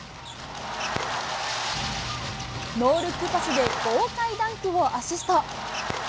ノールックパスで豪快ダンクをアシスト。